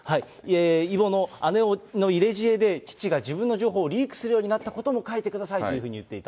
異母の姉の入れ知恵で父が自分の情報をリークするようになったことも書いてくださいというふうに言っていた。